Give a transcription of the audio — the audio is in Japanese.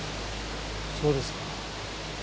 そうですか。